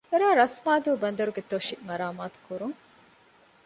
ރ.ރަސްމާދޫ ބަނދަރުގެ ތޮށި މަރާމާތު ކުރުން